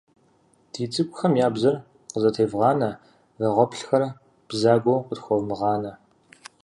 Ди цӀыкӀухэм я бзэр къызэтевгъанэ, вагъуэплъхэр бзагуэу къытхуэвмыгъанэ.